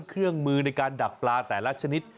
เครื่องมือในการดักปลาแต่ละชนิด